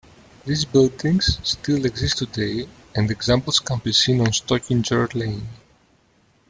These buildings still exist today, and examples can be seen on Stockinger Lane.